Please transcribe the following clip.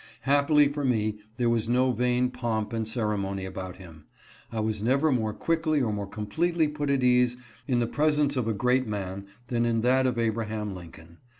Happily for me, there was no vain pomp and ceremony about him. I was never more quickly or more completely put at ease in the presence of a great man than in that of Abraham Lincoln.